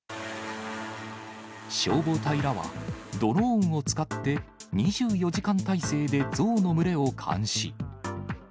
消防隊らは、ドローンを使って、２４時間態勢で象の群れを監視。